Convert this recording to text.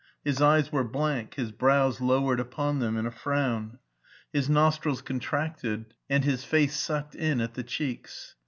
His eyes were blank, his brows lowered upon them in a frown, his nostrils contracted, and his face sucked in at the cheeks.